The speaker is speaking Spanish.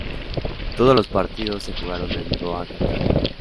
Todos los partidos se jugaron en Doha, Qatar.